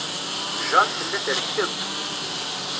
Jane tella trekkem.